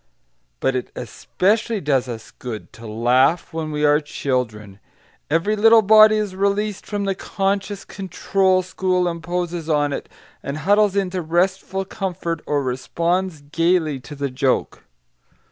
But it especially does us good to laugh when we are children. Every little body is released from the conscious control school imposes on it, and huddles into restful comfort or responds gaily to the joke.